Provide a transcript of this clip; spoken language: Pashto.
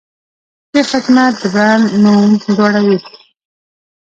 ښه خدمت د برانډ نوم لوړوي.